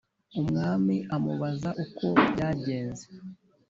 umwami amubaza uko byagenze,